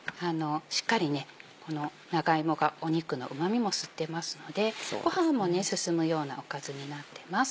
しっかりこの長芋が肉のうまみも吸ってますのでご飯も進むようなおかずになってます。